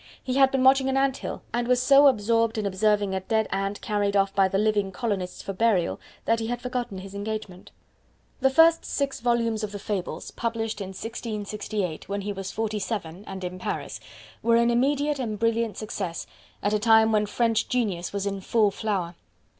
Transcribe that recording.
He had been watching an ant hill, and was so absorbed in observing a dead ant carried off by the living colonists for burial that he had forgotten his engagement. The first six volumes of the Fables published in 1668, when he was 47, and in Paris were an immediate and brilliant success, at a time when French genius was in full flower.